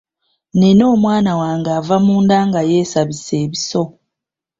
Nnina omwana wange ava munda nga yeesabise ebiso.